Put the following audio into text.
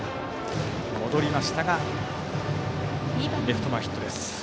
戻りましたがレフト前ヒットです。